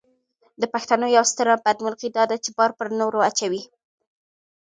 د پښتنو یوه ستره بدمرغي داده چې بار پر نورو اچوي.